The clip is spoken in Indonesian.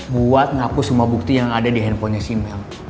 buat ngapus semua bukti yang ada di handphonenya simel